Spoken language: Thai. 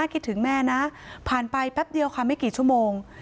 คิดถึงแม่นะผ่านไปแป๊บเดียวค่ะไม่กี่ชั่วโมง